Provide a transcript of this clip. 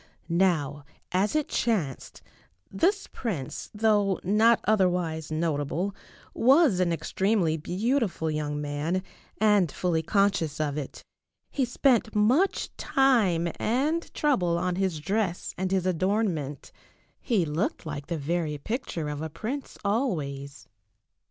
Now, as it chanced, this prince, though not other wise notable, was an extremely beautiful young man and fully conscious of it. He spent much time and 328 BLUE ROSES 329 trouble on his dress and his adornment. He looked like the very picture of a prince always.